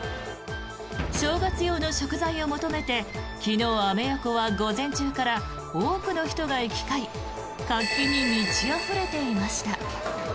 正月用の食材を求めて昨日、アメ横は午前中から多くの人が行き交い活気に満ち溢れていました。